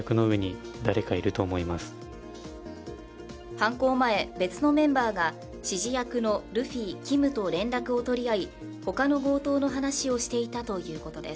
犯行前、別のメンバーが指示役のルフィ、キムと連絡を取り合いほかの強盗の話をしていたということです。